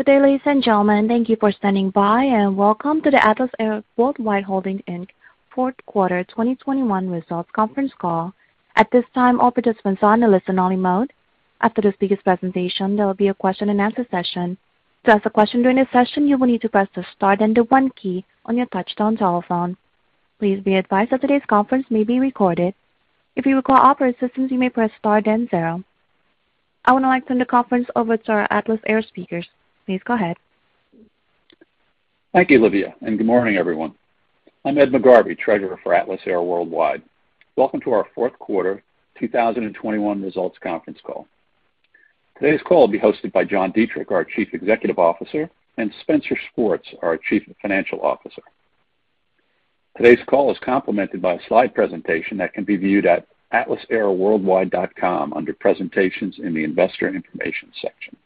Good day, ladies and gentlemen. Thank you for standing by, and welcome to the Atlas Air Worldwide Holdings, Inc. fourth quarter 2021 results conference call. At this time, all participants are in a listen-only mode. After the speaker's presentation, there will be a question-and-answer session. To ask a question during this session, you will need to press the star then the one key on your touch-tone telephone. Please be advised that today's conference may be recorded. If you require operator assistance, you may press star then zero. I would now like to turn the conference over to our Atlas Air speakers. Please go ahead. Thank you, Olivia, and good morning, everyone. I'm Ed McGarvey, Treasurer for Atlas Air Worldwide. Welcome to our fourth quarter 2021 results conference call. Today's call will be hosted by John Dietrich, our Chief Executive Officer, and Spencer Schwartz, our Chief Financial Officer. Today's call is complemented by a slide presentation that can be viewed at atlasairworldwide.com under Presentations in the Investor Information section.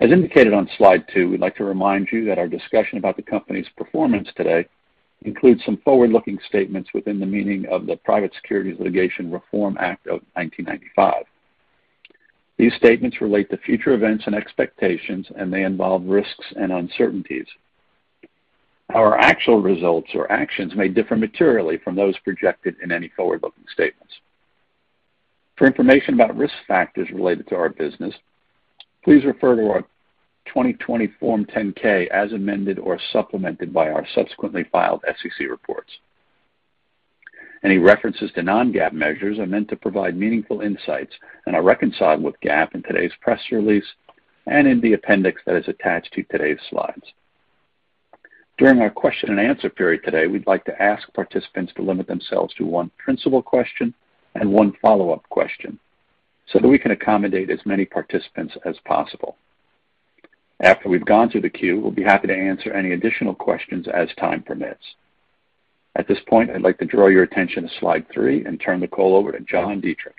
As indicated on slide two, we'd like to remind you that our discussion about the company's performance today includes some forward-looking statements within the meaning of the Private Securities Litigation Reform Act of 1995. These statements relate to future events and expectations, and may involve risks and uncertainties. Our actual results or actions may differ materially from those projected in any forward-looking statements. For information about risk factors related to our business, please refer to our 2020 Form 10-K as amended or supplemented by our subsequently filed SEC reports. Any references to non-GAAP measures are meant to provide meaningful insights and are reconciled with GAAP in today's press release and in the appendix that is attached to today's slides. During our question-and-answer period today, we'd like to ask participants to limit themselves to one principal question and one follow-up question so that we can accommodate as many participants as possible. After we've gone through the queue, we'll be happy to answer any additional questions as time permits. At this point, I'd like to draw your attention to slide three and turn the call over to John Dietrich.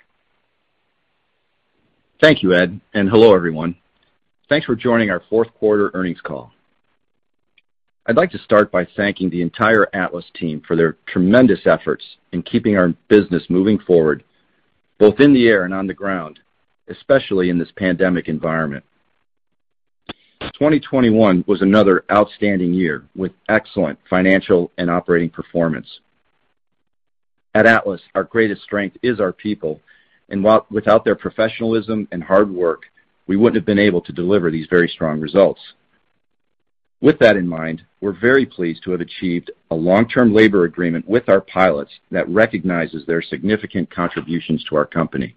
Thank you, Ed, and hello, everyone. Thanks for joining our fourth quarter earnings call. I'd like to start by thanking the entire Atlas team for their tremendous efforts in keeping our business moving forward, both in the air and on the ground, especially in this pandemic environment. 2021 was another outstanding year with excellent financial and operating performance. At Atlas, our greatest strength is our people, and without their professionalism and hard work, we wouldn't have been able to deliver these very strong results. With that in mind, we're very pleased to have achieved a long-term labor agreement with our pilots that recognizes their significant contributions to our company.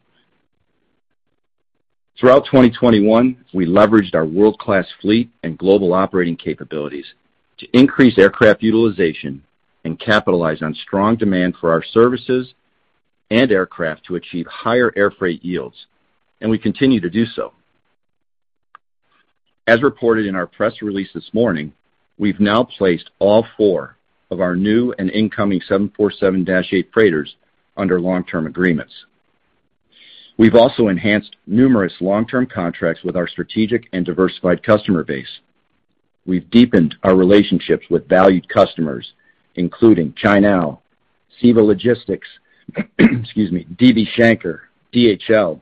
Throughout 2021, we leveraged our world-class fleet and global operating capabilities to increase aircraft utilization and capitalize on strong demand for our services and aircraft to achieve higher air freight yields, and we continue to do so. As reported in our press release this morning, we've now placed all four of our new and incoming 747-8 Freighters under long-term agreements. We've also enhanced numerous long-term contracts with our strategic and diversified customer base. We've deepened our relationships with valued customers, including Cainiao, CEVA Logistics, DB Schenker, DHL,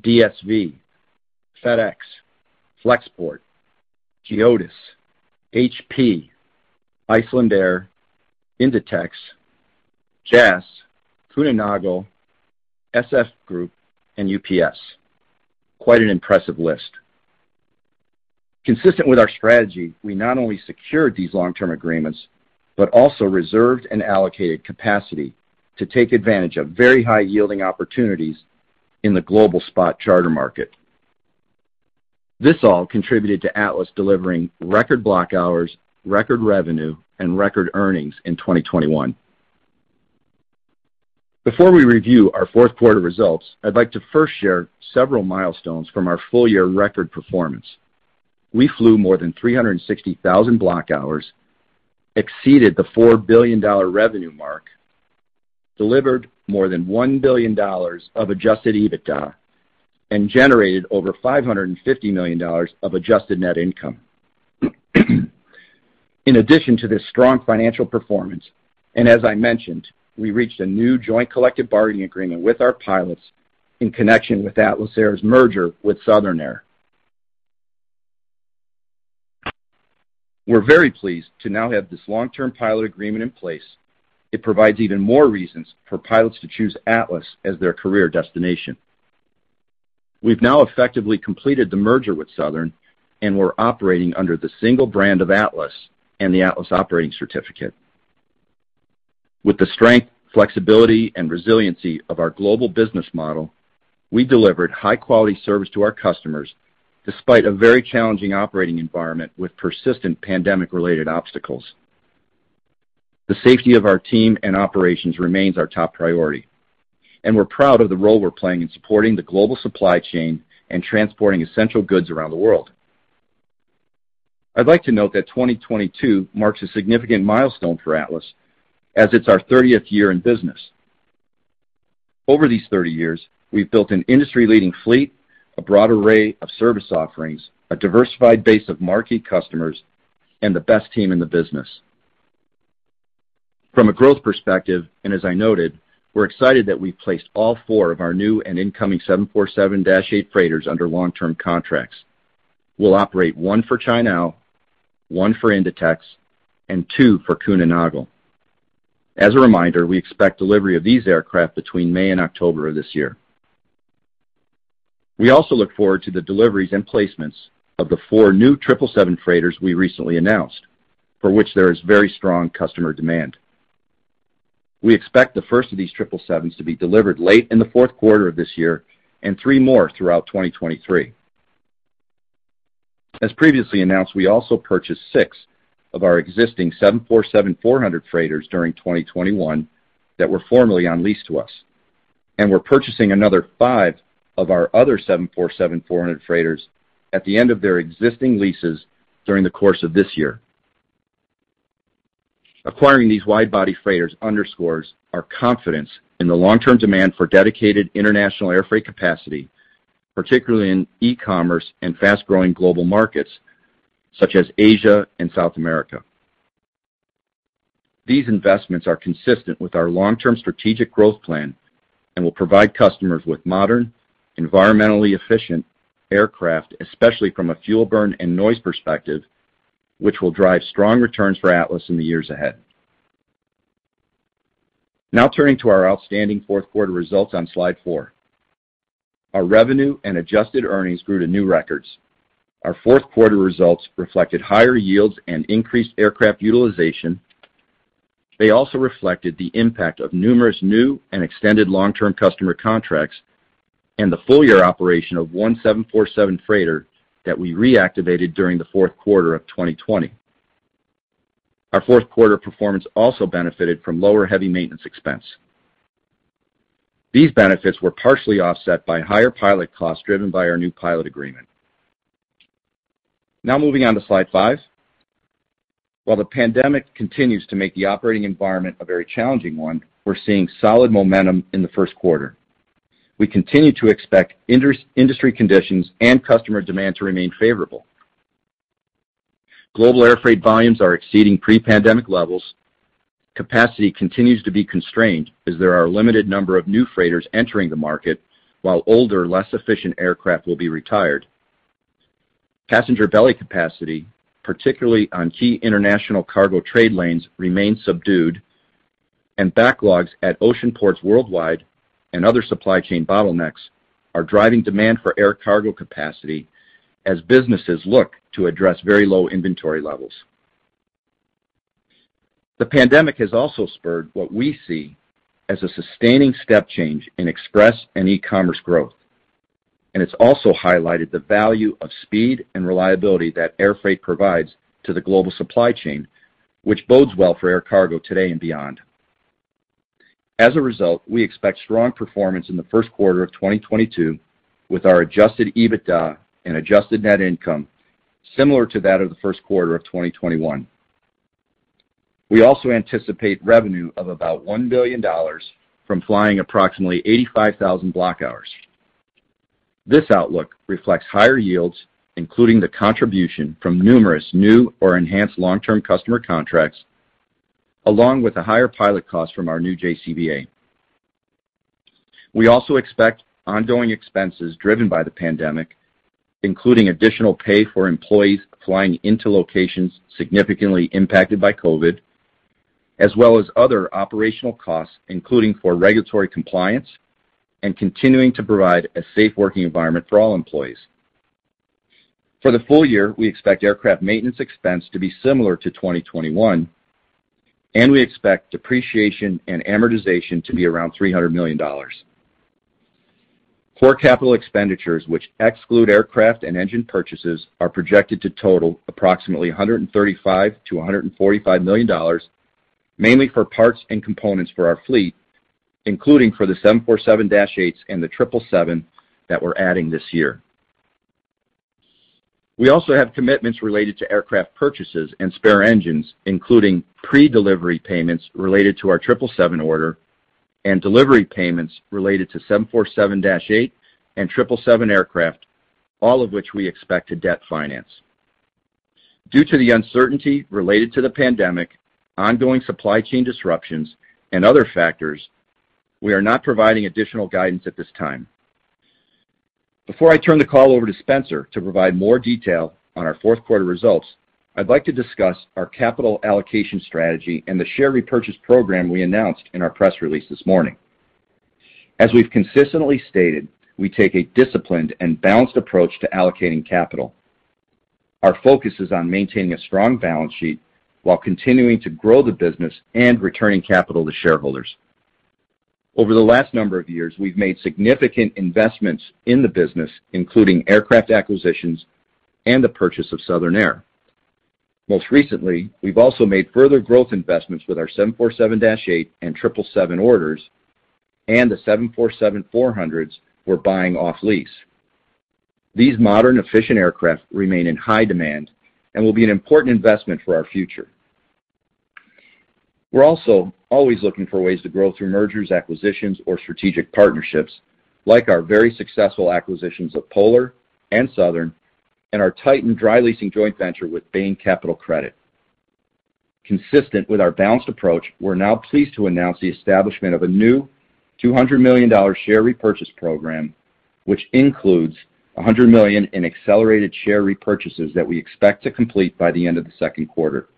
DSV, FedEx, Flexport, GEODIS, HP, Icelandair, Inditex, JAS, Kuehne+Nagel, SF Express, and UPS. Quite an impressive list. Consistent with our strategy, we not only secured these long-term agreements, but also reserved and allocated capacity to take advantage of very high-yielding opportunities in the global spot charter market. This all contributed to Atlas delivering record block hours, record revenue, and record earnings in 2021. Before we review our fourth quarter results, I'd like to first share several milestones from our full-year record performance. We flew more than 360,000 block hours, exceeded the $4 billion revenue mark, delivered more than $1 billion of adjusted EBITDA, and generated over $550 million of adjusted net income. In addition to this strong financial performance, and as I mentioned, we reached a new joint collective bargaining agreement with our pilots in connection with Atlas Air's merger with Southern Air. We're very pleased to now have this long-term pilot agreement in place. It provides even more reasons for pilots to choose Atlas as their career destination. We've now effectively completed the merger with Southern, and we're operating under the single brand of Atlas and the Atlas operating certificate. With the strength, flexibility, and resiliency of our global business model, we delivered high-quality service to our customers despite a very challenging operating environment with persistent pandemic-related obstacles. The safety of our team and operations remains our top priority, and we're proud of the role we're playing in supporting the global supply chain and transporting essential goods around the world. I'd like to note that 2022 marks a significant milestone for Atlas as it's our 30th year in business. Over these 30 years, we've built an industry-leading fleet, a broad array of service offerings, a diversified base of marquee customers, and the best team in the business. From a growth perspective, and as I noted, we're excited that we've placed all four of our new and incoming 747-8 Freighters under long-term contracts. We'll operate one for China, one for Inditex, and two for Kuehne+Nagel. As a reminder, we expect delivery of these aircraft between May and October of this year. We also look forward to the deliveries and placements of the 4 new 777 freighters we recently announced, for which there is very strong customer demand. We expect the first of these 777s to be delivered late in the fourth quarter of this year and 3 more throughout 2023. As previously announced, we also purchased 6 of our existing 747-400 Freighters during 2021 that were formerly on lease to us, and we're purchasing another 5 of our other 747-400 Freighters at the end of their existing leases during the course of this year. Acquiring these wide-body freighters underscores our confidence in the long-term demand for dedicated international air freight capacity, particularly in e-commerce and fast-growing global markets such as Asia and South America. These investments are consistent with our long-term strategic growth plan and will provide customers with modern, environmentally efficient aircraft, especially from a fuel burn and noise perspective, which will drive strong returns for Atlas in the years ahead. Now turning to our outstanding fourth quarter results on slide four. Our revenue and adjusted earnings grew to new records. Our fourth quarter results reflected higher yields and increased aircraft utilization. They also reflected the impact of numerous new and extended long-term customer contracts and the full-year operation of one 747 freighter that we reactivated during the fourth quarter of 2020. Our fourth quarter performance also benefited from lower heavy maintenance expense. These benefits were partially offset by higher pilot costs driven by our new pilot agreement. Now moving on to slide five. While the pandemic continues to make the operating environment a very challenging one, we're seeing solid momentum in the first quarter. We continue to expect industry conditions and customer demand to remain favorable. Global air freight volumes are exceeding pre-pandemic levels. Capacity continues to be constrained as there are a limited number of new freighters entering the market while older, less efficient aircraft will be retired. Passenger belly capacity, particularly on key international cargo trade lanes, remains subdued and backlogs at ocean ports worldwide and other supply chain bottlenecks are driving demand for air cargo capacity as businesses look to address very low inventory levels. The pandemic has also spurred what we see as a sustaining step change in express and e-commerce growth, and it's also highlighted the value of speed and reliability that air freight provides to the global supply chain, which bodes well for air cargo today and beyond. As a result, we expect strong performance in the first quarter of 2022 with our adjusted EBITDA and adjusted net income similar to that of the first quarter of 2021. We also anticipate revenue of about $1 billion from flying approximately 85,000 block hours. This outlook reflects higher yields, including the contribution from numerous new or enhanced long-term customer contracts, along with the higher pilot costs from our new JCBA. We also expect ongoing expenses driven by the pandemic, including additional pay for employees flying into locations significantly impacted by COVID-19, as well as other operational costs, including for regulatory compliance and continuing to provide a safe working environment for all employees. For the full year, we expect aircraft maintenance expense to be similar to 2021, and we expect depreciation and amortization to be around $300 million. Core capital expenditures which exclude aircraft and engine purchases are projected to total approximately $135 million-$145 million, mainly for parts and components for our fleet, including for the 747-8s and the 777s that we're adding this year. We also have commitments related to aircraft purchases and spare engines, including predelivery payments related to our 777 order and delivery payments related to 747-8 and 777 aircraft, all of which we expect to debt finance. Due to the uncertainty related to the pandemic, ongoing supply chain disruptions and other factors, we are not providing additional guidance at this time. Before I turn the call over to Spencer to provide more detail on our fourth quarter results, I'd like to discuss our capital allocation strategy and the share repurchase program we announced in our press release this morning. As we've consistently stated, we take a disciplined and balanced approach to allocating capital. Our focus is on maintaining a strong balance sheet while continuing to grow the business and returning capital to shareholders. Over the last number of years, we've made significant investments in the business, including aircraft acquisitions and the purchase of Southern Air. Most recently, we've also made further growth investments with our 747-8 and 777 orders and the 747-400s we're buying off lease. These modern, efficient aircraft remain in high demand and will be an important investment for our future. We're also always looking for ways to grow through mergers, acquisitions, or strategic partnerships like our very successful acquisitions of Polar and Southern. Our Titan dry leasing joint venture with Bain Capital Credit. Consistent with our balanced approach, we're now pleased to announce the establishment of a new $200 million share repurchase program, which includes $100 million in accelerated share repurchases that we expect to complete by the end of the second quarter.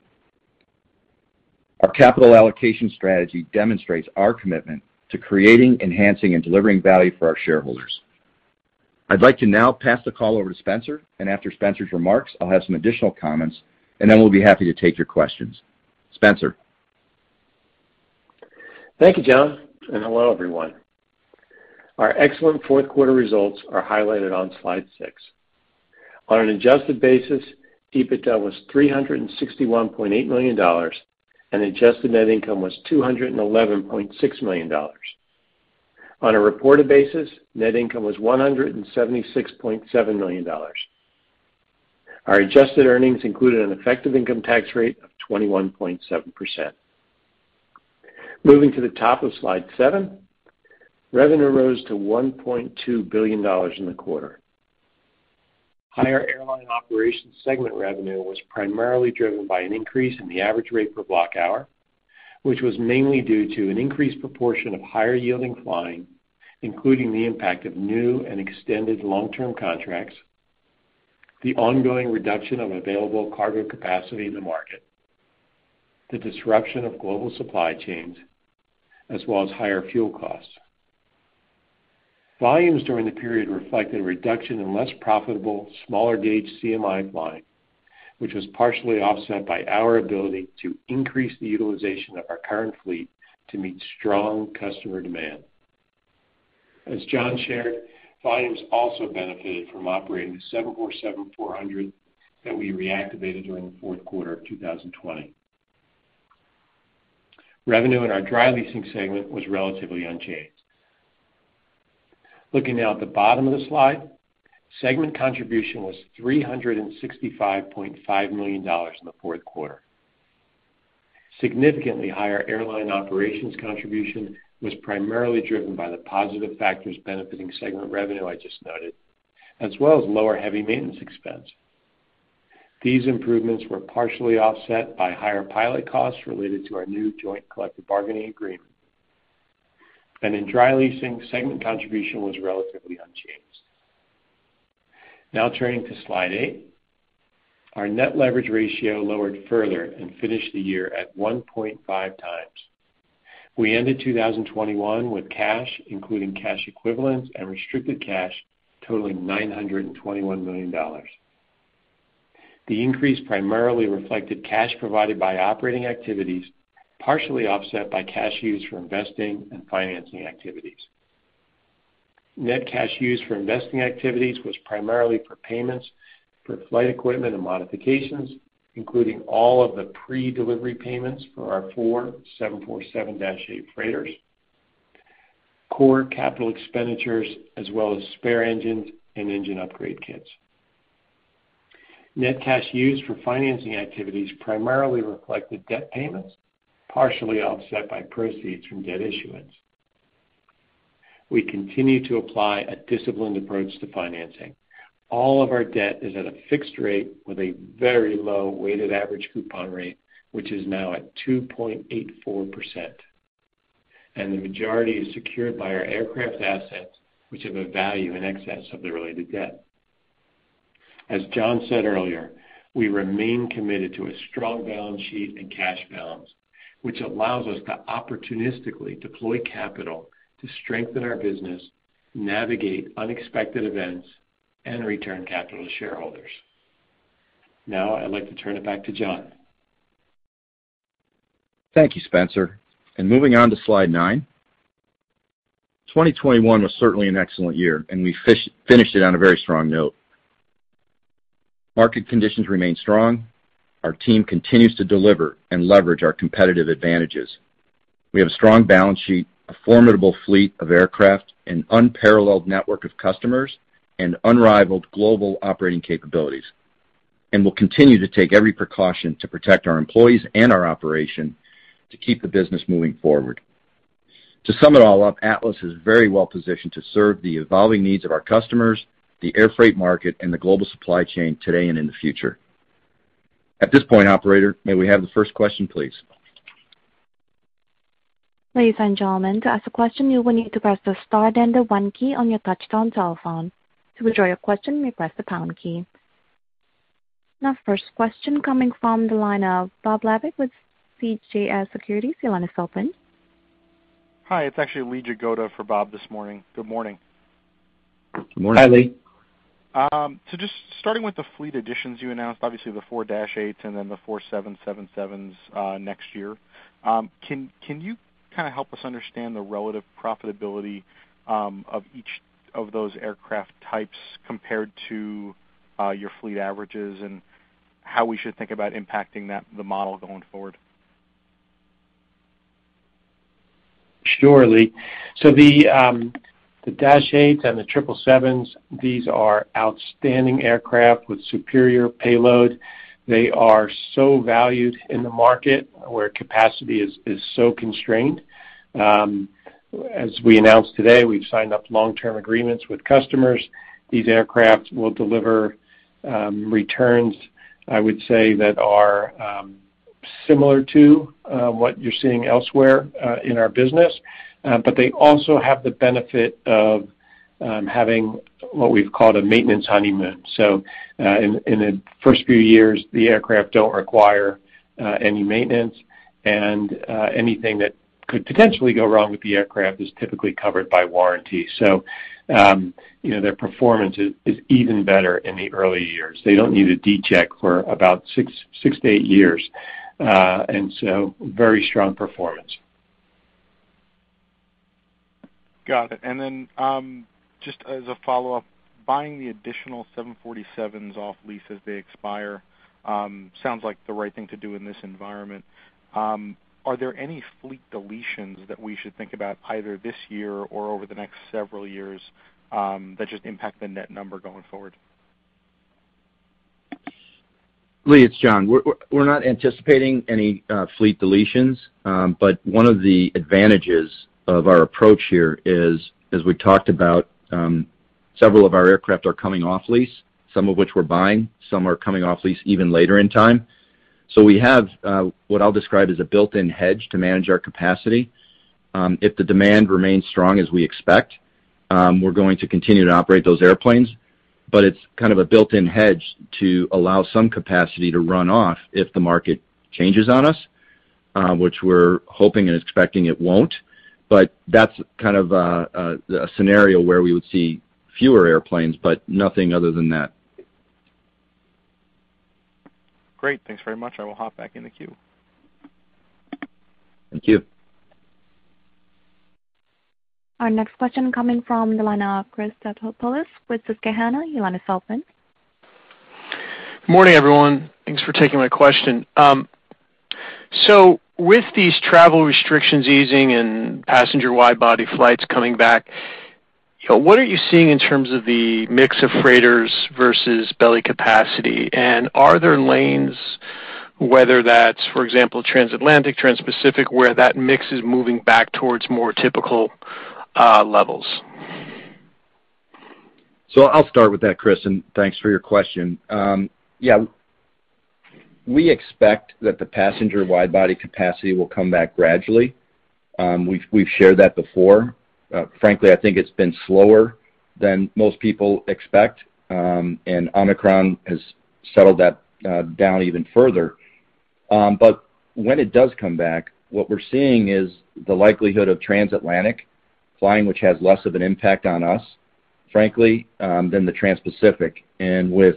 Our capital allocation strategy demonstrates our commitment to creating, enhancing, and delivering value for our shareholders. I'd like to now pass the call over to Spencer, and after Spencer's remarks, I'll have some additional comments, and then we'll be happy to take your questions. Spencer? Thank you, John, and hello, everyone. Our excellent fourth quarter results are highlighted on slide 6. On an adjusted basis, EBITDA was $361.8 million, and adjusted net income was $211.6 million. On a reported basis, net income was $176.7 million. Our adjusted earnings included an effective income tax rate of 21.7%. Moving to the top of slide 7, revenue rose to $1.2 billion in the quarter. Higher airline operations segment revenue was primarily driven by an increase in the average rate per block hour, which was mainly due to an increased proportion of higher-yielding flying, including the impact of new and extended long-term contracts, the ongoing reduction of available cargo capacity in the market, the disruption of global supply chains, as well as higher fuel costs. Volumes during the period reflected a reduction in less profitable, smaller gauge CMI flying, which was partially offset by our ability to increase the utilization of our current fleet to meet strong customer demand. As John shared, volumes also benefited from operating the 747-400 that we reactivated during the fourth quarter of 2020. Revenue in our dry leasing segment was relatively unchanged. Looking now at the bottom of the slide, segment contribution was $365.5 million in the fourth quarter. Significantly higher airline operations contribution was primarily driven by the positive factors benefiting segment revenue I just noted, as well as lower heavy maintenance expense. These improvements were partially offset by higher pilot costs related to our new joint collective bargaining agreement. In dry leasing, segment contribution was relatively unchanged. Now turning to slide 8. Our net leverage ratio lowered further and finished the year at 1.5 times. We ended 2021 with cash, including cash equivalents and restricted cash, totaling $921 million. The increase primarily reflected cash provided by operating activities, partially offset by cash used for investing and financing activities. Net cash used for investing activities was primarily for payments for flight equipment and modifications, including all of the predelivery payments for our 747-8 Freighters, core capital expenditures, as well as spare engines and engine upgrade kits. Net cash used for financing activities primarily reflected debt payments, partially offset by proceeds from debt issuance. We continue to apply a disciplined approach to financing. All of our debt is at a fixed rate with a very low weighted average coupon rate, which is now at 2.84%, and the majority is secured by our aircraft assets, which have a value in excess of the related debt. As John said earlier, we remain committed to a strong balance sheet and cash balance, which allows us to opportunistically deploy capital to strengthen our business, navigate unexpected events, and return capital to shareholders. Now, I'd like to turn it back to John. Thank you, Spencer. Moving on to slide 9. 2021 was certainly an excellent year, and we finished it on a very strong note. Market conditions remain strong. Our team continues to deliver and leverage our competitive advantages. We have a strong balance sheet, a formidable fleet of aircraft, an unparalleled network of customers, and unrivaled global operating capabilities. We'll continue to take every precaution to protect our employees and our operation to keep the business moving forward. To sum it all up, Atlas is very well positioned to serve the evolving needs of our customers, the air freight market, and the global supply chain today and in the future. At this point, operator, may we have the first question, please? Ladies and gentlemen, to ask a question, you will need to press the star then the one key on your touch-tone cell phone. To withdraw your question, you may press the pound key. Now first question coming from the line of Bob Labick with CJS Securities. Your line is open. Hi, it's actually Lee Jagoda for Bob this morning. Good morning. Good morning. Hi, Lee. Just starting with the fleet additions you announced, obviously the four 747-8s and then the four 777s next year. Can you kind of help us understand the relative profitability of each of those aircraft types compared to your fleet averages and how we should think about impacting that, the model going forward? Sure, Lee. The –8s and the 777s, these are outstanding aircraft with superior payload. They are so valued in the market where capacity is so constrained. As we announced today, we've signed up long-term agreements with customers. These aircraft will deliver returns, I would say, that are similar to what you're seeing elsewhere in our business. But they also have the benefit of having what we've called a maintenance honeymoon. In the first few years, the aircraft don't require any maintenance, and anything that could potentially go wrong with the aircraft is typically covered by warranty. You know, their performance is even better in the early years. They don't need a D-check for about six to eight years. Very strong performance. Got it. Just as a follow-up, buying the additional 747-8s off lease as they expire sounds like the right thing to do in this environment. Are there any fleet deletions that we should think about either this year or over the next several years that just impact the net number going forward? Lee, it's John. We're not anticipating any fleet deletions. One of the advantages of our approach here is, as we talked about, several of our aircraft are coming off lease, some of which we're buying. Some are coming off lease even later in time. We have what I'll describe as a built-in hedge to manage our capacity. If the demand remains strong as we expect, we're going to continue to operate those airplanes. It's kind of a built-in hedge to allow some capacity to run off if the market changes on us, which we're hoping and expecting it won't. That's kind of a scenario where we would see fewer airplanes, but nothing other than that. Great. Thanks very much. I will hop back in the queue. Thank you. Our next question coming from Christopher Stathoulopoulos with Susquehanna. Your line is open. Good morning, everyone. Thanks for taking my question. With these travel restrictions easing and passenger wide body flights coming back, what are you seeing in terms of the mix of freighters versus belly capacity? And are there lanes, whether that's for example, trans-Atlantic, trans-Pacific, where that mix is moving back towards more typical levels? I'll start with that, Chris, and thanks for your question. Yeah, we expect that the passenger wide body capacity will come back gradually. We've shared that before. Frankly, I think it's been slower than most people expect, and Omicron has settled that down even further. When it does come back, what we're seeing is the likelihood of trans-Atlantic flying, which has less of an impact on us, frankly, than the trans-Pacific. With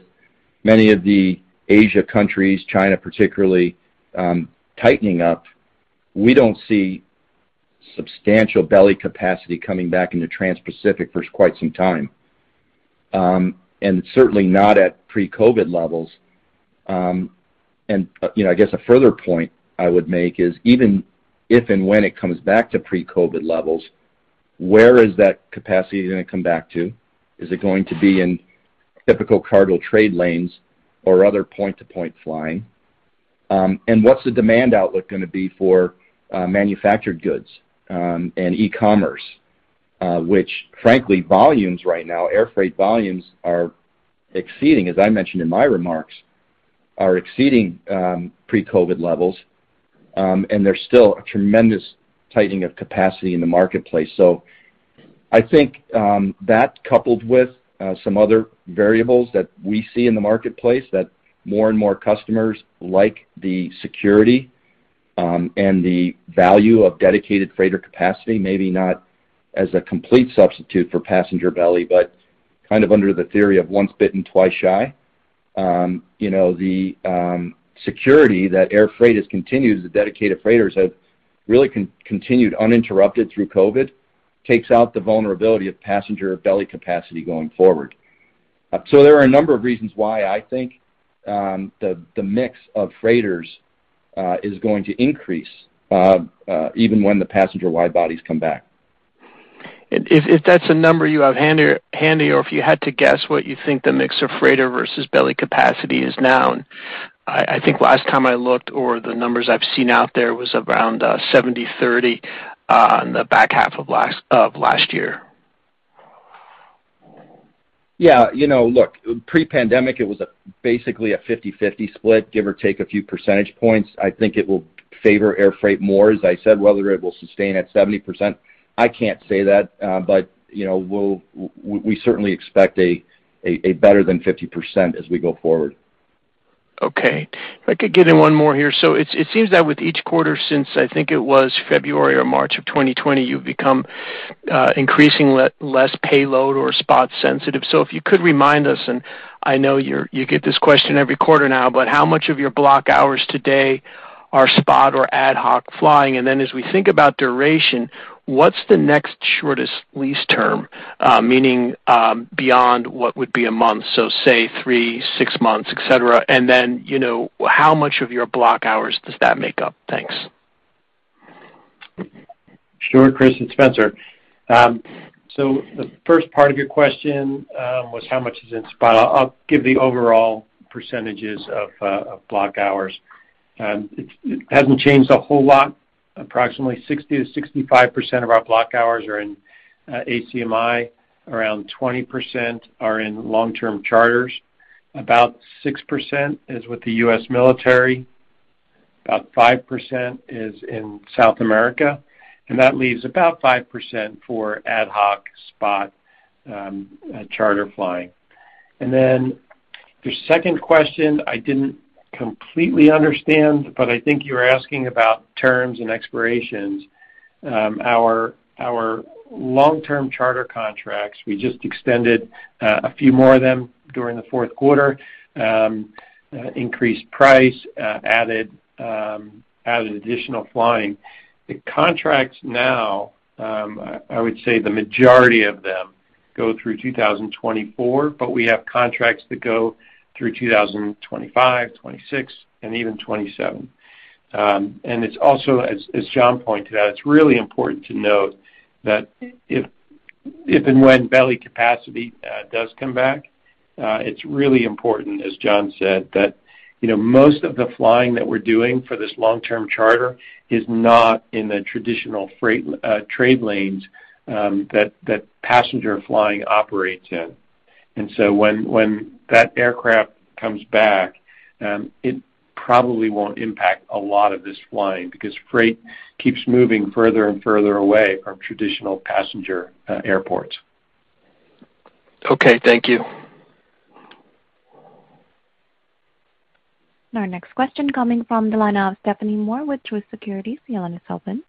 many of the Asian countries, China particularly, tightening up, we don't see substantial belly capacity coming back into trans-Pacific for quite some time, and certainly not at pre-COVID-19 levels. You know, I guess a further point I would make is even if and when it comes back to pre-COVID-19 levels, where is that capacity going to come back to? Is it going to be in typical cargo trade lanes or other point-to-point flying? What's the demand outlook going to be for manufactured goods and e-commerce? Which frankly, volumes right now, air freight volumes are exceeding, as I mentioned in my remarks, pre-COVID-19 levels. There's still a tremendous tightening of capacity in the marketplace. I think that coupled with some other variables that we see in the marketplace, that more and more customers like the security and the value of dedicated freighter capacity, maybe not as a complete substitute for passenger belly, but kind of under the theory of once bitten, twice shy. You know, the security that air freight has continued as the dedicated freighters have really continued uninterrupted through COVID-19 takes out the vulnerability of passenger belly capacity going forward. There are a number of reasons why I think the mix of freighters is going to increase even when the passenger wide bodies come back. If that's a number you have handy, or if you had to guess what you think the mix of freighter versus belly capacity is now. I think last time I looked or the numbers I've seen out there was around 70/30 in the back half of last year. Yeah. You know, look, pre-pandemic, it was basically a 50/50 split, give or take a few percentage points. I think it will favor air freight more, as I said. Whether it will sustain at 70%, I can't say that. You know, we certainly expect a better than 50% as we go forward. Okay. If I could get in one more here. It seems that with each quarter since I think it was February or March of 2020, you've become increasingly less payload or spot sensitive. If you could remind us, and I know you get this question every quarter now, but how much of your block hours today are spot or ad hoc flying? Then as we think about duration, what's the next shortest lease term, meaning, beyond what would be a month, so say 3, 6 months, et cetera. Then, you know, how much of your block hours does that make up? Thanks. Sure, Chris. It's Spencer. The first part of your question was how much is in spot. I'll give the overall percentages of block hours. It hasn't changed a whole lot. Approximately 60%-65% of our block hours are in ACMI. Around 20% are in long-term charters. About 6% is with the U.S. military. About 5% is in South America. That leaves about 5% for ad hoc spot charter flying. Your second question I didn't completely understand, but I think you were asking about terms and expirations. Our long-term charter contracts, we just extended a few more of them during the fourth quarter. Increased price, added additional flying. The contracts now, I would say the majority of them go through 2024, but we have contracts that go through 2025, 2026, and even 2027. It's also, as John pointed out, it's really important to note that if and when belly capacity does come back, it's really important, as John said, that you know, most of the flying that we're doing for this long-term charter is not in the traditional freight trade lanes that passenger flying operates in. When that aircraft comes back, it probably won't impact a lot of this flying because freight keeps moving further and further away from traditional passenger airports. Okay, thank you. Our next question coming from the line of Stephanie Moore with Truist Securities. Your line is open.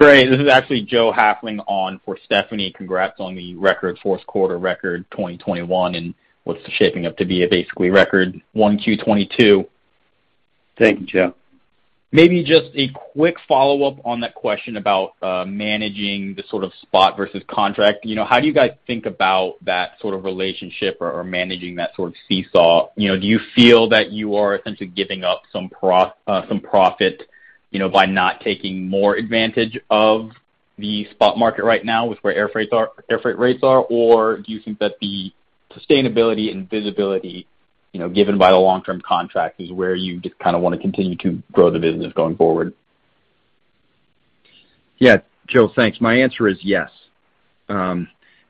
Great. This is actually Joe Hafling on for Stephanie. Congrats on the record fourth quarter, record 2021, and what's shaping up to be a basically record 1Q 2022. Thank you, Joe. Maybe just a quick follow-up on that question about managing the sort of spot versus contract. You know, how do you guys think about that sort of relationship or managing that sort of seesaw? You know, do you feel that you are essentially giving up some profit, you know, by not taking more advantage of the spot market right now with where air freight rates are? Or do you think that the sustainability and visibility, you know, given by the long-term contract is where you just kind of want to continue to grow the business going forward? Yeah, Joe, thanks. My answer is yes.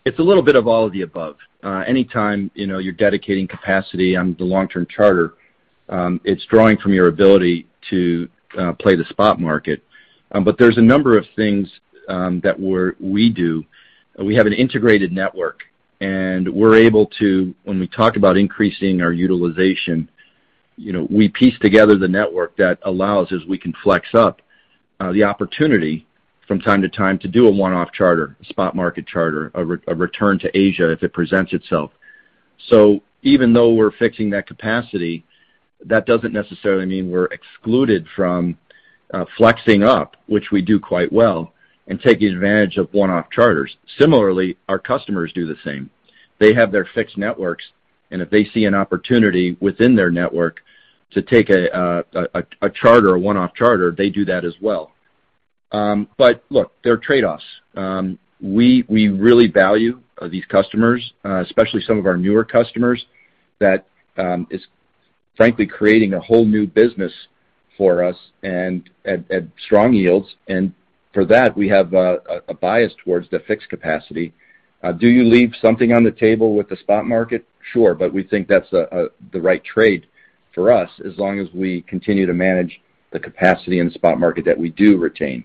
It's a little bit of all of the above. Anytime, you know, you're dedicating capacity on the long-term charter, it's drawing from your ability to play the spot market. There's a number of things that we do. We have an integrated network, and we're able to. When we talk about increasing our utilization, you know, we piece together the network that allows us, we can flex up the opportunity from time to time to do a one-off charter, a spot market charter, a return to Asia if it presents itself. Even though we're fixing that capacity, that doesn't necessarily mean we're excluded from flexing up, which we do quite well, and taking advantage of one-off charters. Similarly, our customers do the same. They have their fixed networks, and if they see an opportunity within their network to take a charter, a one-off charter, they do that as well. Look, there are trade-offs. We really value these customers, especially some of our newer customers that is frankly creating a whole new business for us and at strong yields. For that, we have a bias towards the fixed capacity. Do you leave something on the table with the spot market? Sure. We think that's the right trade for us as long as we continue to manage the capacity in the spot market that we do retain.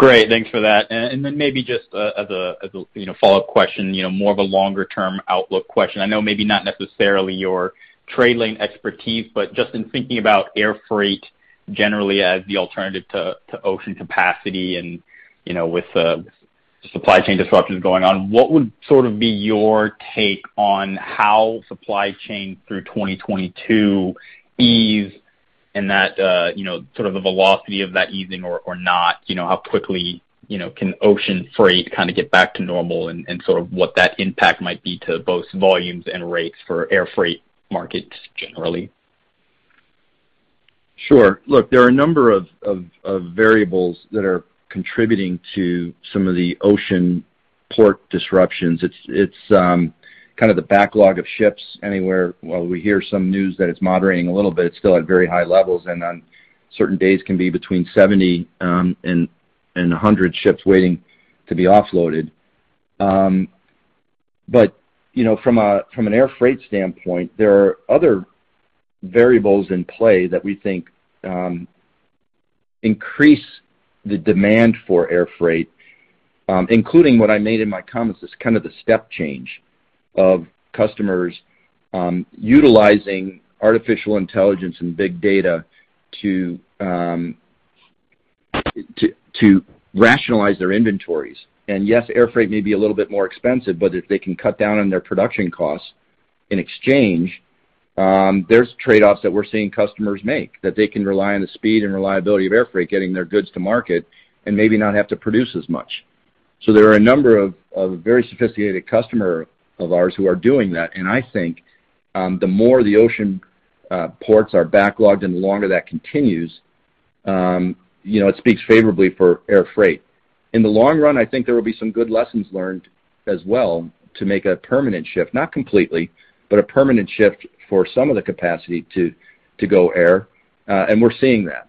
Great. Thanks for that. Then maybe just a, as a, you know, follow-up question, you know, more of a longer-term outlook question. I know maybe not necessarily your trade lane expertise, but just in thinking about air freight generally as the alternative to ocean capacity and, you know, with supply chain disruptions going on, what would sort of be your take on how supply chain through 2022 ease and that, you know, sort of the velocity of that easing or not? You know, how quickly, you know, can ocean freight kind of get back to normal and sort of what that impact might be to both volumes and rates for air freight markets generally? Sure. Look, there are a number of variables that are contributing to some of the ocean port disruptions. It's kind of the backlog of ships anywhere. While we hear some news that it's moderating a little bit, it's still at very high levels. On certain days can be between 70 and 100 ships waiting to be offloaded. But, you know, from an air freight standpoint, there are other variables in play that we think increase the demand for air freight, including what I made in my comments as kind of the step change of customers utilizing artificial intelligence and big data to rationalize their inventories. Yes, air freight may be a little bit more expensive, but if they can cut down on their production costs in exchange, there's trade-offs that we're seeing customers make, that they can rely on the speed and reliability of air freight getting their goods to market and maybe not have to produce as much. There are a number of very sophisticated customer of ours who are doing that, and I think, the more the ocean ports are backlogged and the longer that continues, you know, it speaks favorably for air freight. In the long run, I think there will be some good lessons learned as well to make a permanent shift, not completely, but a permanent shift for some of the capacity to go air, and we're seeing that.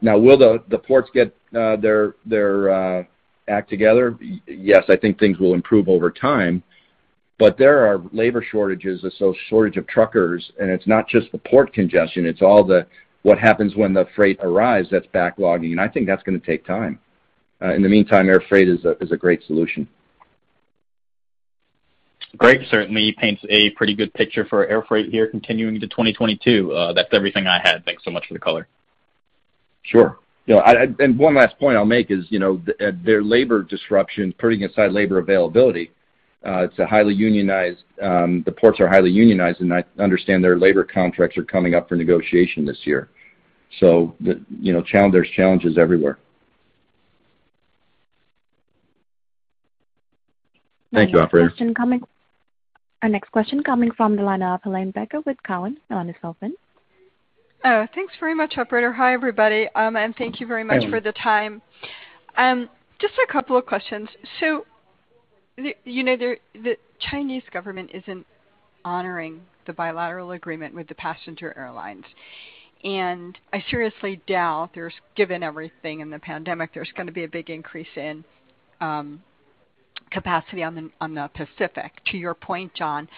Now, will the ports get their act together? Yes, I think things will improve over time, but there are labor shortages, and so shortage of truckers, and it's not just the port congestion, it's all the what happens when the freight arrives that's backlogging, and I think that's going to take time. In the meantime, air freight is a great solution. Great. Certainly paints a pretty good picture for air freight here continuing into 2022. That's everything I had. Thanks so much for the color. Sure. You know, and one last point I'll make is, you know, their labor disruptions, putting aside labor availability, it's a highly unionized, the ports are highly unionized, and I understand their labor contracts are coming up for negotiation this year. You know, the challenge. There's challenges everywhere. Thanks, operator. Our next question coming from the line of Helane Becker with Cowen. Your line is open. Thanks very much, operator. Hi, everybody, and thank you very much for the time. Just a couple of questions. The Chinese government isn't honoring the bilateral agreement with the passenger airlines. I seriously doubt that, given everything in the pandemic, there's going to be a big increase in capacity on the Pacific, to your point, John.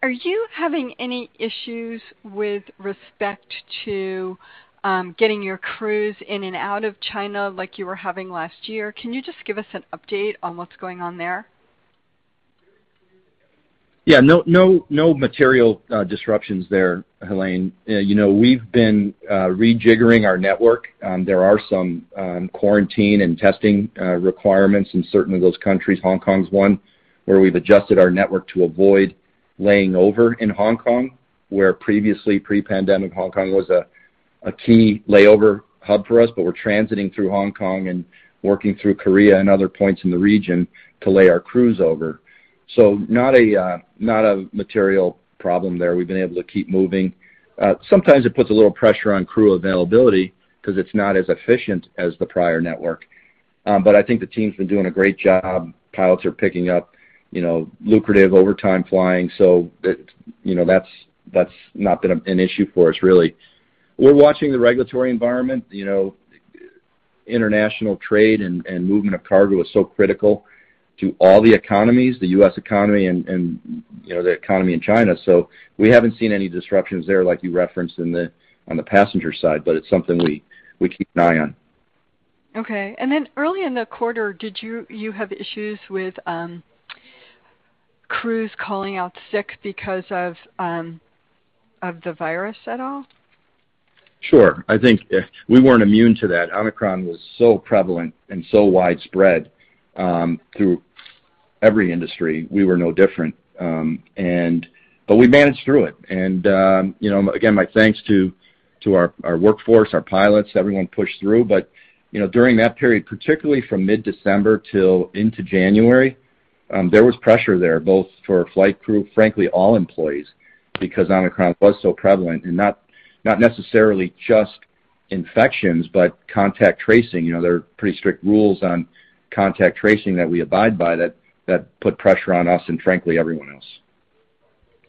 Are you having any issues with respect to getting your crews in and out of China like you were having last year? Can you just give us an update on what's going on there? Yeah. No material disruptions there, Helane. You know, we've been rejigging our network. There are some quarantine and testing requirements in certainly those countries. Hong Kong's one where we've adjusted our network to avoid laying over in Hong Kong, where previously pre-pandemic Hong Kong was a key layover hub for us. But we're transiting through Hong Kong and working through Korea and other points in the region to lay our crews over. Not a material problem there. We've been able to keep moving. Sometimes it puts a little pressure on crew availability 'cause it's not as efficient as the prior network. But I think the team's been doing a great job. Pilots are picking up, you know, lucrative overtime flying, so it, you know, that's not been an issue for us really. We're watching the regulatory environment. You know, international trade and movement of cargo is so critical to all the economies, the U.S. economy and, you know, the economy in China. We haven't seen any disruptions there like you referenced on the passenger side, but it's something we keep an eye on. Okay. Early in the quarter, did you have issues with crews calling out sick because of the virus at all? Sure. I think we weren't immune to that. Omicron was so prevalent and so widespread through every industry. We were no different. But we managed through it. You know, again, my thanks to our workforce, our pilots. Everyone pushed through. You know, during that period, particularly from mid-December till into January, there was pressure there both for flight crew, frankly all employees, because Omicron was so prevalent, not necessarily just infections, but contact tracing. You know, there are pretty strict rules on contact tracing that we abide by that put pressure on us and frankly, everyone else.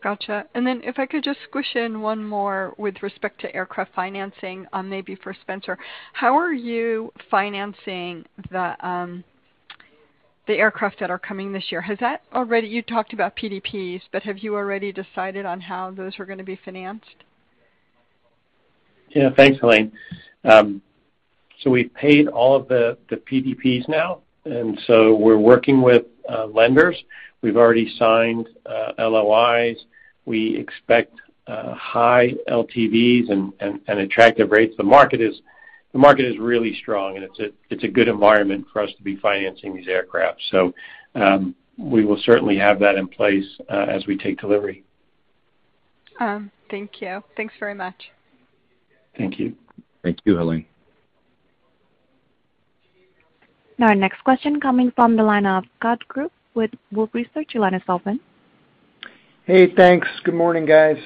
Gotcha. If I could just squish in one more with respect to aircraft financing, maybe for Spencer. How are you financing the aircraft that are coming this year? You talked about PDPs, but have you already decided on how those are going to be financed? Yeah. Thanks, Helane. We've paid all of the PDPs now, and we're working with lenders. We've already signed LOIs. We expect high LTVs and attractive rates. The market is really strong, and it's a good environment for us to be financing these aircraft. We will certainly have that in place as we take delivery. Thank you. Thanks very much. Thank you. Thank you, Helane. Now our next question coming from the line of Scott Group with Wolfe Research. Your line is open. Hey, thanks. Good morning, guys.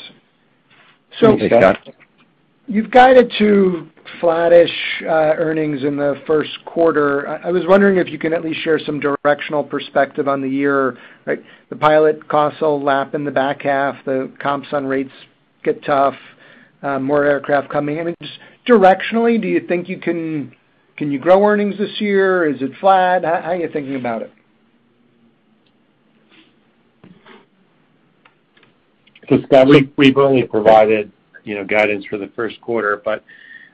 Hey, Scott. You've guided to flattish earnings in the first quarter. I was wondering if you can at least share some directional perspective on the year, right? The pilot costs will lap in the back half, the comps on rates get tough, more aircraft coming in. Just directionally, do you think you can grow earnings this year? Is it flat? How are you thinking about it? Scott, we've only provided, you know, guidance for the first quarter, but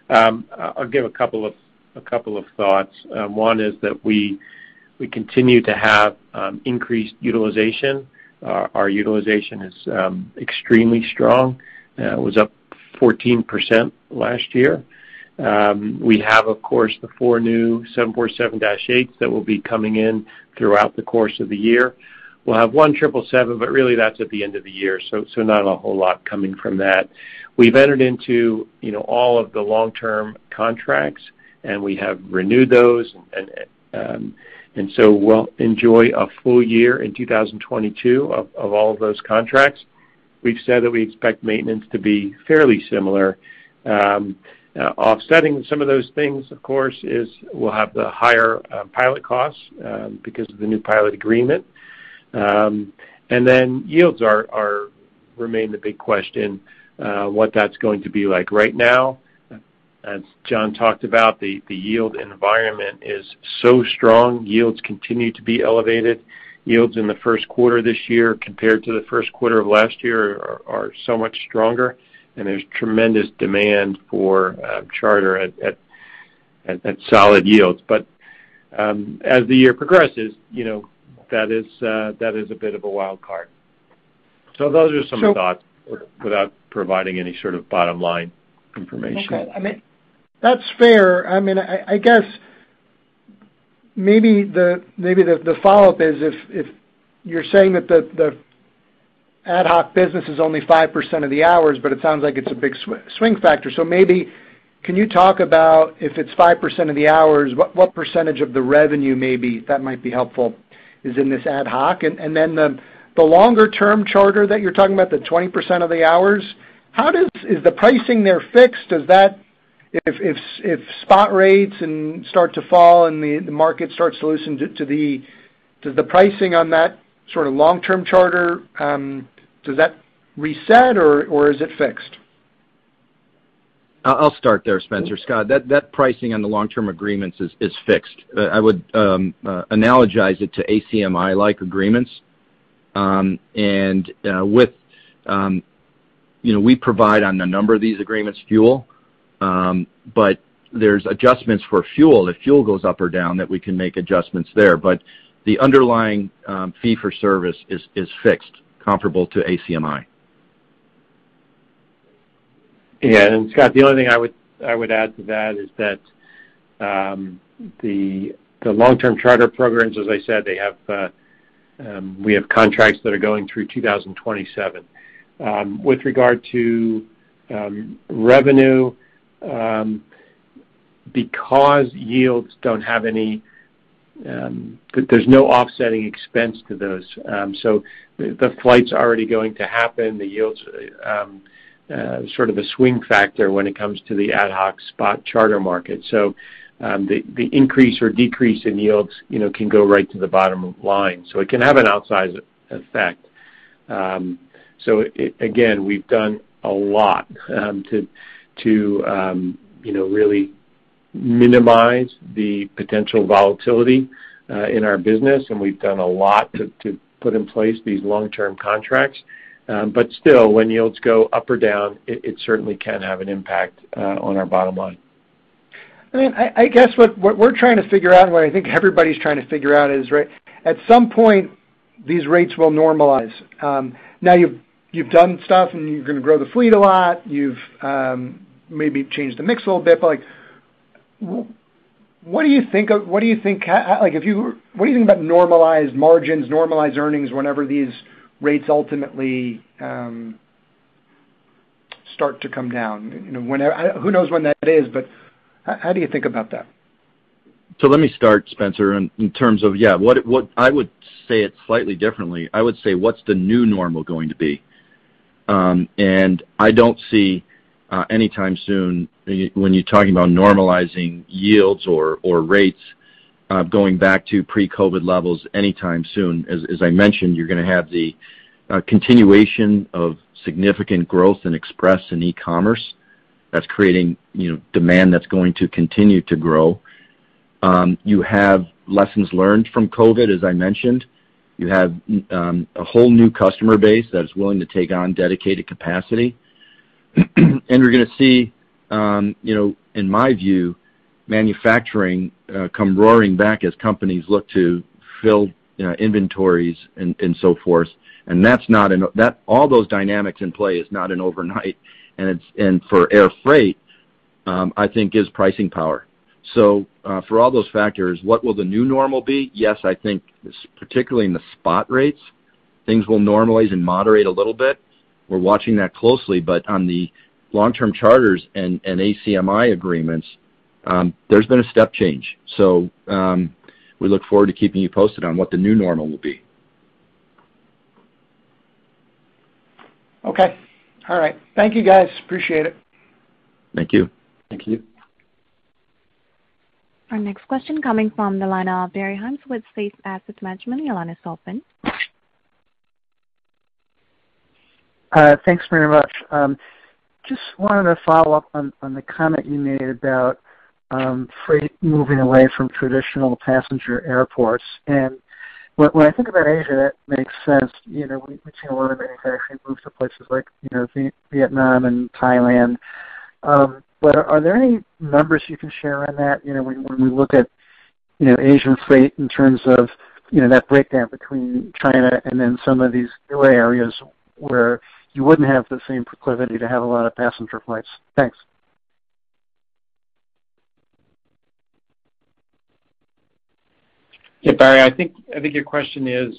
I'll give a couple of thoughts. One is that we continue to have increased utilization. Our utilization is extremely strong. It was up 14% last year. We have, of course, the four new 747-8s that will be coming in throughout the course of the year. We'll have one 777, but really that's at the end of the year, so not a whole lot coming from that. We've entered into, you know, all of the long-term contracts, and we have renewed those. We'll enjoy a full year in 2022 of all of those contracts. We've said that we expect maintenance to be fairly similar. Offsetting some of those things, of course, is we'll have the higher pilot costs because of the new pilot agreement. Yields remain the big question, what that's going to be like. Right now, as John talked about, the yield environment is so strong, yields continue to be elevated. Yields in the first quarter this year compared to the first quarter of last year are so much stronger, and there's tremendous demand for charter at solid yields. As the year progresses, you know, that is a bit of a wild card. Those are some thoughts without providing any sort of bottom-line information. Okay. I mean, that's fair. I mean, I guess maybe the follow-up is if you're saying that the ad hoc business is only 5% of the hours, but it sounds like it's a big swing factor. So maybe can you talk about if it's 5% of the hours, what percentage of the revenue maybe, that might be helpful, is in this ad hoc? And then the longer-term charter that you're talking about, the 20% of the hours, how does that work. Is the pricing there fixed? Does that change? If spot rates start to fall and the market starts to loosen to the point where does the pricing on that sort of long-term charter reset, or is it fixed? I'll start there, Spencer. Scott, that pricing on the long-term agreements is fixed. I would analogize it to ACMI-like agreements. With you know, we provide on a number of these agreements fuel, but there's adjustments for fuel, if fuel goes up or down, that we can make adjustments there. The underlying fee for service is fixed comparable to ACMI. Scott, the only thing I would add to that is that the long-term charter programs, as I said, we have contracts that are going through 2027. With regard to revenue, because yields don't have any, there's no offsetting expense to those. So the flight's already going to happen, the yields sort of a swing factor when it comes to the ad hoc spot charter market. So the increase or decrease in yields, you know, can go right to the bottom line, so it can have an outsized effect. So again, we've done a lot to you know, really minimize the potential volatility in our business, and we've done a lot to put in place these long-term contracts. Still, when yields go up or down, it certainly can have an impact on our bottom line. I mean, I guess what we're trying to figure out and what I think everybody's trying to figure out is, right, at some point, these rates will normalize. Now you've done stuff and you're going to grow the fleet a lot. You've maybe changed the mix a little bit. Like, what do you think about normalized margins, normalized earnings whenever these rates ultimately start to come down? You know, whenever who knows when that is, but how do you think about that? Let me start, Spencer, in terms of. What I would say it slightly differently. I would say what's the new normal going to be? I don't see anytime soon when you're talking about normalizing yields or rates going back to pre-COVID-19 levels anytime soon. As I mentioned, you're going to have the continuation of significant growth in express and e-commerce that's creating, you know, demand that's going to continue to grow. You have lessons learned from COVID-19, as I mentioned. You have a whole new customer base that is willing to take on dedicated capacity. You're going to see, you know, in my view, manufacturing come roaring back as companies look to fill, you know, inventories and so forth. That's not an. That. All those dynamics in play is not an overnight, and for air freight, I think gives pricing power. For all those factors, what will the new normal be? Yes, I think particularly in the spot rates, things will normalize and moderate a little bit. We're watching that closely. On the long-term charters and ACMI agreements, there's been a step change. We look forward to keeping you posted on what the new normal will be. Okay. All right. Thank you, guys. Appreciate it. Thank you. Thank you. Our next question coming from the line of Barry Hunt with Safe Asset Management. Your line is open. Thanks very much. Just wanted to follow up on the comment you made about freight moving away from traditional passenger airports. When I think about Asia, that makes sense. You know, we've seen a lot of air freight move to places like, you know, Vietnam and Thailand, but are there any numbers you can share on that? You know, when we look at Asian freight in terms of that breakdown between China and then some of these areas where you wouldn't have the same proclivity to have a lot of passenger flights. Thanks. Yeah, Barry, I think your question is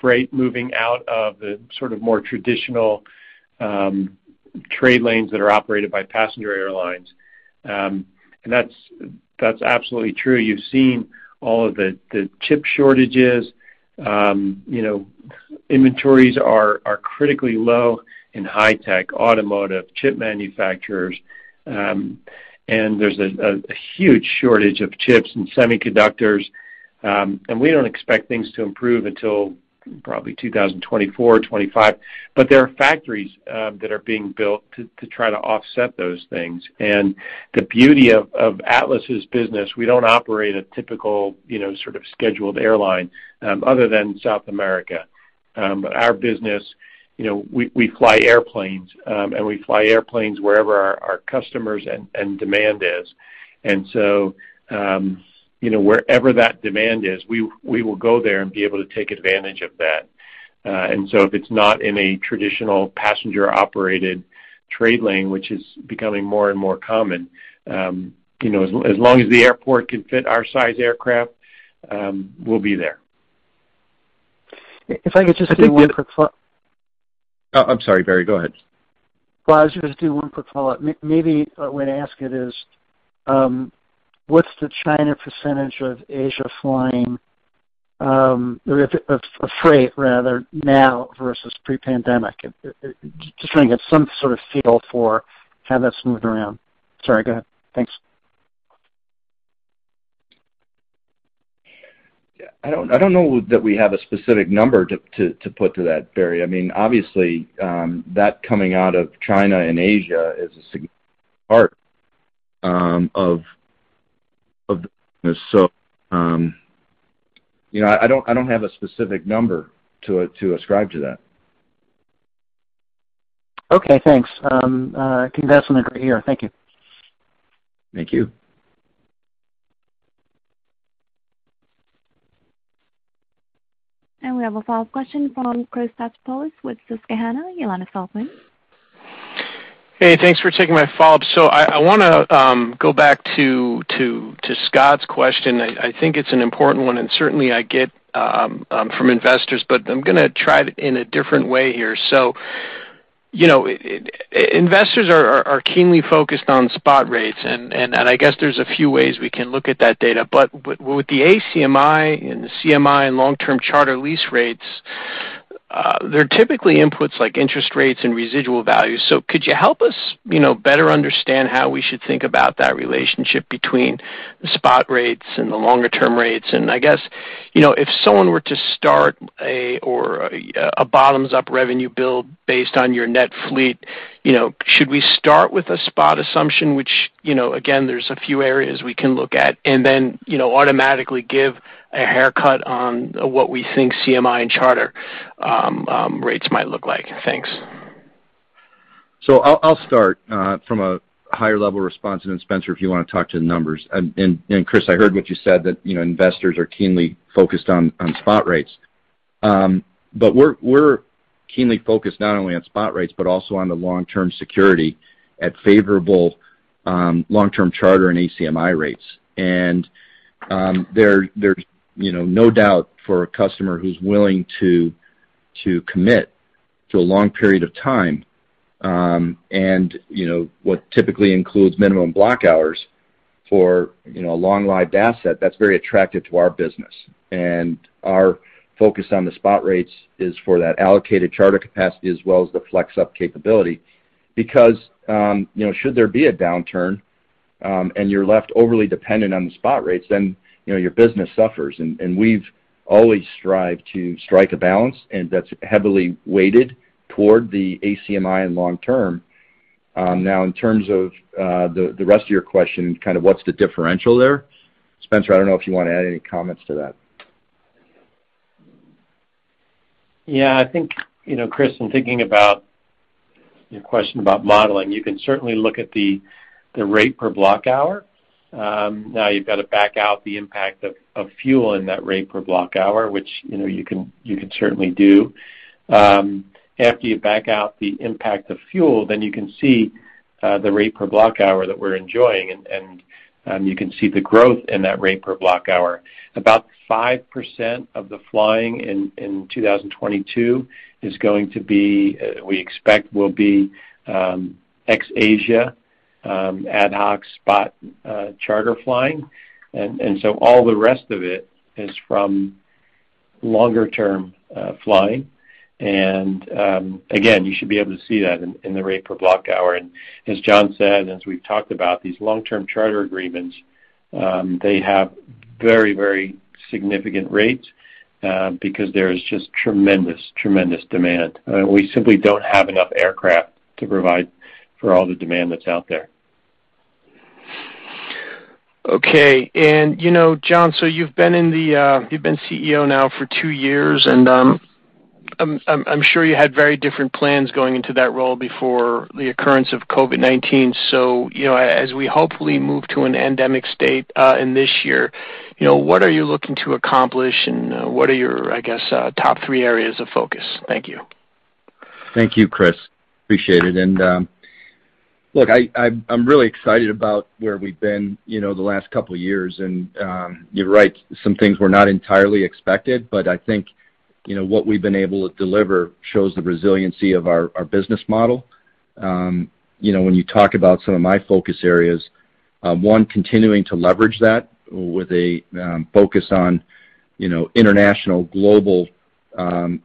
freight moving out of the sort of more traditional trade lanes that are operated by passenger airlines. That's absolutely true. You've seen all of the chip shortages. You know, inventories are critically low in high tech automotive chip manufacturers. There's a huge shortage of chips and semiconductors. We don't expect things to improve until probably 2024 or 2025. There are factories that are being built to try to offset those things. The beauty of Atlas's business, we don't operate a typical, you know, sort of scheduled airline other than South America. Our business, you know, we fly airplanes, and we fly airplanes wherever our customers and demand is. Wherever that demand is, we will go there and be able to take advantage of that. If it's not in a traditional passenger operated trade lane, which is becoming more and more common, you know, as long as the airport can fit our size aircraft, we'll be there. If I could just do one quick follow-up. Oh, I'm sorry, Barry. Go ahead. Well, I was just do one quick follow-up. Maybe a way to ask it is, what's the China percentage of Asia flying, or of freight rather now versus pre-pandemic? Just trying to get some sort of feel for how that's moved around. Sorry, go ahead. Thanks. Yeah, I don't know that we have a specific number to put to that, Barry. I mean, obviously, that coming out of China and Asia is a significant part of this. You know, I don't have a specific number to ascribe to that. Okay, thanks. Congrats on a great year. Thank you. Thank you. We have a follow-up question from Christopher Stathoulopoulos with Susquehanna. Helane Becker. Hey, thanks for taking my follow-up. I want to go back to Scott's question. I think it's an important one, and certainly I get from investors, but I'm going to try it in a different way here. You know, investors are keenly focused on spot rates and I guess there's a few ways we can look at that data. With the ACMI and the CMI and long-term charter lease rates, they're typically inputs like interest rates and residual values. Could you help us, you know, better understand how we should think about that relationship between the spot rates and the longer term rates? I guess, you know, if someone were to start a bottoms up revenue build based on your net fleet, you know, should we start with a spot assumption, which, you know, again, there's a few areas we can look at, and then, you know, automatically give a haircut on what we think CMI and charter rates might look like. Thanks. I'll start from a higher level response, and then Spencer, if you want to talk to the numbers. Chris, I heard what you said, that, you know, investors are keenly focused on spot rates. But we're keenly focused not only on spot rates, but also on the long-term security at favorable long-term charter and ACMI rates. There's, you know, no doubt for a customer who's willing to commit to a long period of time, and, you know, what typically includes minimum block hours for, you know, a long-lived asset that's very attractive to our business. Our focus on the spot rates is for that allocated charter capacity as well as the flex up capability. Because, you know, should there be a downturn, and you're left overly dependent on the spot rates, then, you know, your business suffers. We've always strived to strike a balance, and that's heavily weighted toward the ACMI and long term. Now in terms of the rest of your question, kind of what's the differential there, Spencer, I don't know if you want to add any comments to that. Yeah, I think, you know, Chris, in thinking about your question about modeling, you can certainly look at the rate per block hour. Now you've got to back out the impact of fuel in that rate per block hour, which, you know, you can certainly do. After you back out the impact of fuel, then you can see the rate per block hour that we're enjoying, and you can see the growth in that rate per block hour. About 5% of the flying in 2022 is going to be, we expect will be, ex-Asia ad hoc spot charter flying. All the rest of it is from longer-term flying. Again, you should be able to see that in the rate per block hour. As John said, and as we've talked about these long-term charter agreements, they have very significant rates, because there is just tremendous demand. We simply don't have enough aircraft to provide for all the demand that's out there. Okay. You know, John, you've been CEO now for two years, and I'm sure you had very different plans going into that role before the occurrence of COVID-19. You know, as we hopefully move to an endemic state in this year, you know, what are you looking to accomplish, and what are your, I guess, top three areas of focus? Thank you. Thank you, Chris. Appreciate it. Look, I'm really excited about where we've been, you know, the last couple years. You're right, some things were not entirely expected, but I think, you know, what we've been able to deliver shows the resiliency of our business model. You know, when you talk about some of my focus areas, one, continuing to leverage that with a focus on, you know, international global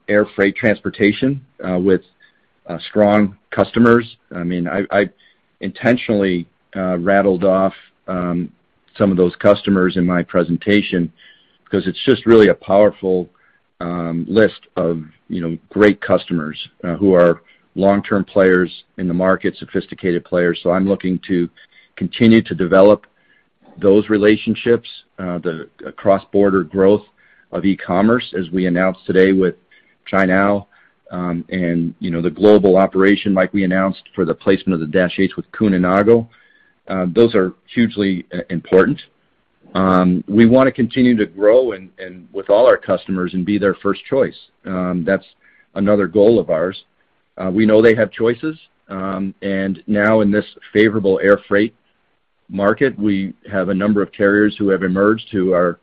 air freight transportation with strong customers. I mean, I intentionally rattled off some of those customers in my presentation 'cause it's just really a powerful list of, you know, great customers who are long-term players in the market, sophisticated players. I'm looking to continue to develop those relationships, the cross-border growth of e-commerce, as we announced today with Cainiao, and, you know, the global operation like we announced for the placement of the 747 with Kuehne+Nagel. Those are hugely important. We want to continue to grow and with all our customers and be their first choice. That's another goal of ours. We know they have choices, and now in this favorable air freight market, we have a number of carriers who have emerged who are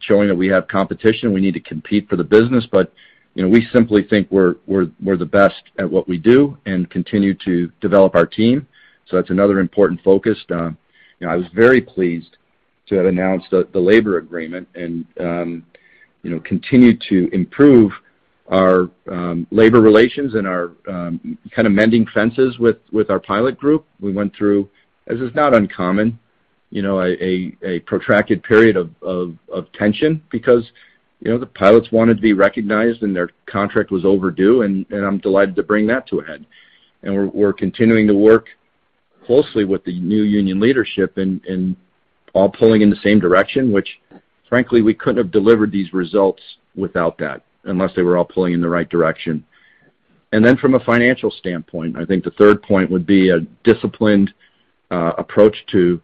showing that we have competition. We need to compete for the business, but, you know, we simply think we're the best at what we do and continue to develop our team. That's another important focus. You know, I was very pleased to have announced the labor agreement and continue to improve our labor relations and our kind of mending fences with our pilot group. We went through, as is not uncommon, you know, a protracted period of tension because the pilots wanted to be recognized, and their contract was overdue, and I'm delighted to bring that to a head. We're continuing to work closely with the new union leadership and all pulling in the same direction, which frankly, we couldn't have delivered these results without that, unless they were all pulling in the right direction. From a financial standpoint, I think the third point would be a disciplined approach to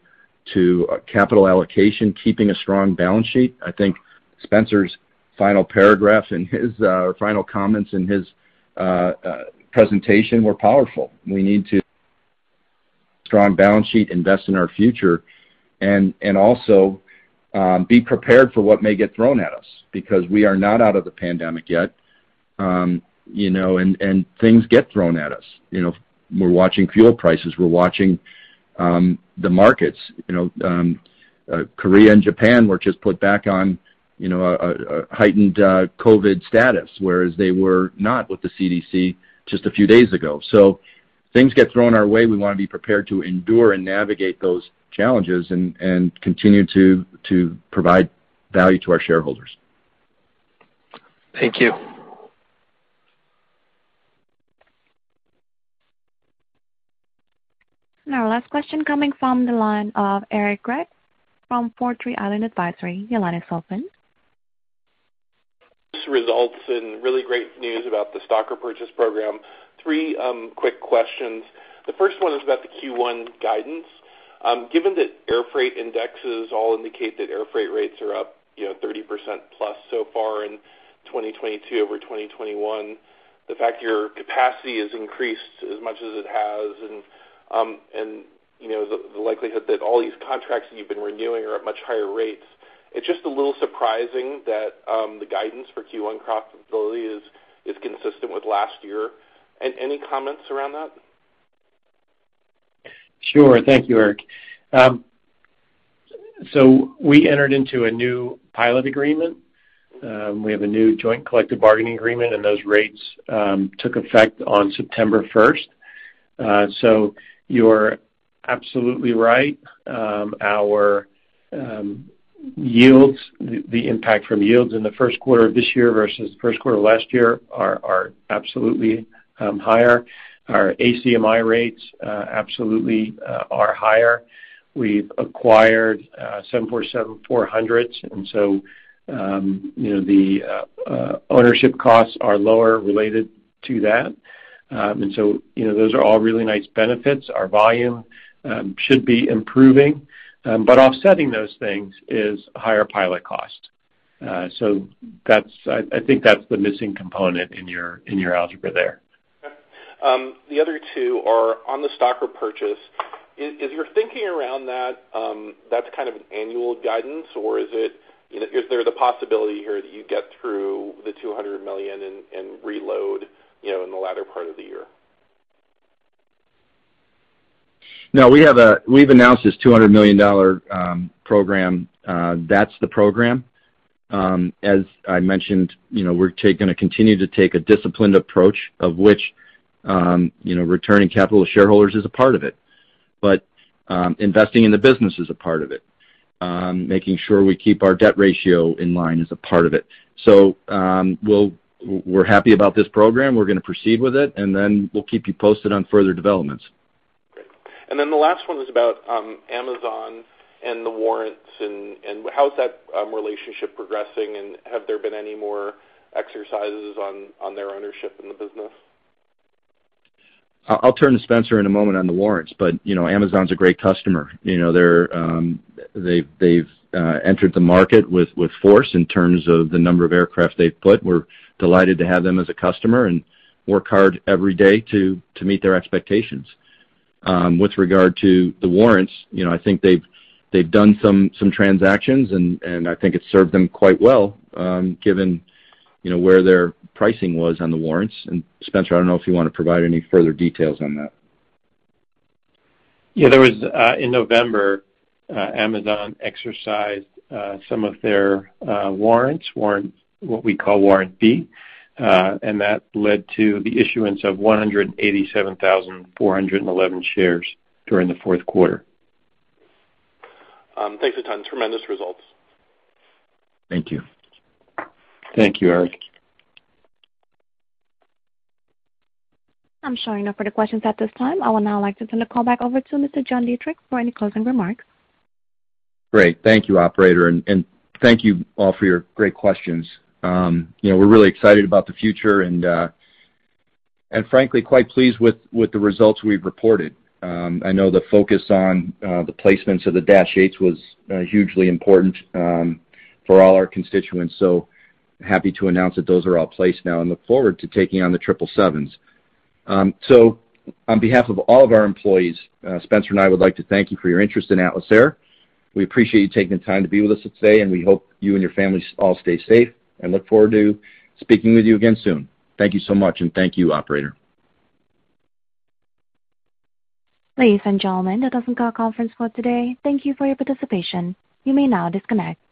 capital allocation, keeping a strong balance sheet. I think Spencer's final paragraph in his final comments in his presentation were powerful. We need a strong balance sheet, invest in our future and also be prepared for what may get thrown at us because we are not out of the pandemic yet. You know, and things get thrown at us. You know, we're watching fuel prices. We're watching the markets. You know, Korea and Japan were just put back on a heightened COVID-19 status, whereas they were not with the CDC just a few days ago. Things get thrown our way, we want to be prepared to endure and navigate those challenges and continue to provide value to our shareholders. Thank you. Now, last question coming from the line of Eric Gregg from Four Tree Island Advisory. Your line is open. Results and really great news about the stock repurchase program. Three quick questions. The first one is about the Q1 guidance. Given that air freight indexes all indicate that air freight rates are up, you know, 30%+ so far in 2022 over 2021, the fact your capacity has increased as much as it has, and you know, the likelihood that all these contracts that you've been renewing are at much higher rates, it's just a little surprising that the guidance for Q1 profitability is consistent with last year. Any comments around that? Sure. Thank you, Eric. We entered into a new pilot agreement. We have a new joint collective bargaining agreement, and those rates took effect on September 1. You're absolutely right. Our yields, the impact from yields in the first quarter of this year versus the first quarter of last year, are absolutely higher. Our ACMI rates absolutely are higher. We've acquired 747-400s, and you know the ownership costs are lower related to that. You know, those are all really nice benefits. Our volume should be improving. Offsetting those things is higher pilot costs. I think that's the missing component in your algebra there. The other two are on the stock repurchase. Is your thinking around that that's kind of annual guidance, or is it, you know, is there the possibility here that you get through the $200 million and reload, you know, in the latter part of the year? No, we have. We've announced this $200 million program. That's the program. As I mentioned, you know, we're going to continue to take a disciplined approach of which, you know, returning capital to shareholders is a part of it. Investing in the business is a part of it. Making sure we keep our debt ratio in line is a part of it. We're happy about this program. We're going to proceed with it, and then we'll keep you posted on further developments. The last one was about Amazon and the warrants and how's that relationship progressing, and have there been any more exercises on their ownership in the business? I'll turn to Spencer in a moment on the warrants, but you know, Amazon's a great customer. You know, they've entered the market with force in terms of the number of aircraft they've put. We're delighted to have them as a customer and work hard every day to meet their expectations. With regard to the warrants, you know, I think they've done some transactions and I think it's served them quite well, given you know, where their pricing was on the warrants. Spencer, I don't know if you want to provide any further details on that. Yeah, there was in November Amazon exercised some of their warrants, what we call Warrant B. That led to the issuance of 187,411 shares during the fourth quarter. Thanks a ton. Tremendous results. Thank you. Thank you, Eric. I'm showing no further questions at this time. I would now like to turn the call back over to Mr. John Dietrich for any closing remarks. Great. Thank you, operator. Thank you all for your great questions. You know, we're really excited about the future and frankly, quite pleased with the results we've reported. I know the focus on the placements of the –8s was hugely important for all our constituents, so happy to announce that those are all placed now and look forward to taking on the 777s. On behalf of all of our employees, Spencer and I would like to thank you for your interest in Atlas Air. We appreciate you taking the time to be with us today, and we hope you and your families all stay safe and look forward to speaking with you again soon. Thank you so much, and thank you, operator. Ladies and gentlemen, that does end our conference call today. Thank you for your participation. You may now disconnect.